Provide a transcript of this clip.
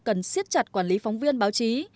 cần siết chặt quản lý phóng viên báo chí